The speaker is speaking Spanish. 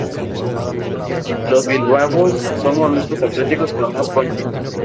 Los bivalvos son moluscos acuáticos con dos conchas.